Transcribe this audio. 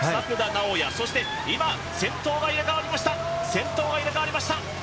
そして、今、先頭が入れ代わりました。